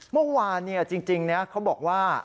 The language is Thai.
เมื่อวานจริงเขาบอกว่า